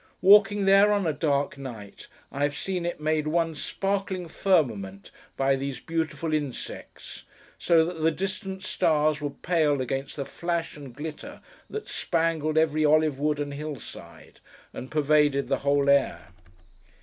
Walking there on a dark night, I have seen it made one sparkling firmament by these beautiful insects: so that the distant stars were pale against the flash and glitter that spangled every olive wood and hill side, and pervaded the whole air.